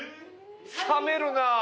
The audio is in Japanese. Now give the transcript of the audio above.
冷めるなあ。